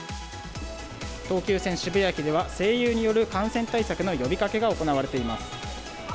東急線渋谷駅では、声優による感染対策の呼びかけが行われています。